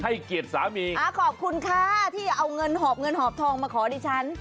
เกียรติสามีอ่าขอบคุณค่ะที่เอาเงินหอบเงินหอบทองมาขอดิฉัน